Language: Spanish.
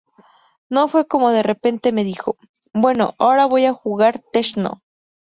No fue como de repente me dijo, 'Bueno, ahora voy a jugar techno.